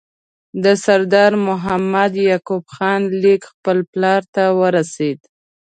د سردار محمد یعقوب خان لیک خپل پلار ته ورسېد.